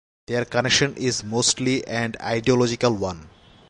Their connection is mostly an ideological one.